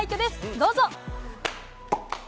どうぞ。